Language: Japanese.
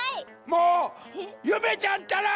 もうゆめちゃんったら！